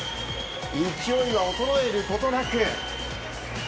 勢いは衰えることなく。